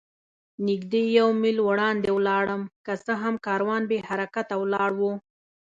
نږدې یو میل وړاندې ولاړم، که څه هم کاروان بې حرکته ولاړ و.